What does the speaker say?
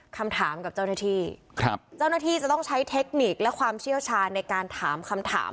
คำถามกับเจ้าหน้าที่เจ้าหน้าที่จะต้องใช้เทคนิคและความเชี่ยวชาในการถามคำถาม